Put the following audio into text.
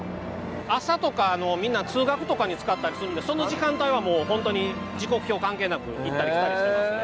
朝とかみんな通学とかに使ったりするのでその時間帯はもう本当に時刻表関係なく行ったり来たりしてますね。